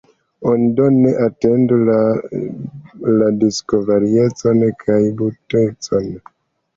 Oni do ne atendu de la disko variecon kaj buntecon.